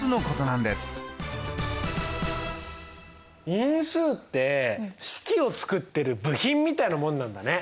因数って式を作ってる部品みたいなもんなんだね。